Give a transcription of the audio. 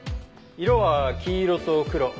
色は黄色と黒。